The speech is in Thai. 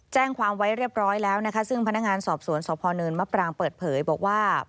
แจ้งความไว้เรียบร้อยแล้วนะคะซึ่งพนักงานสอบสวนสพเนินมะปรางเปิดเผยบอกว่า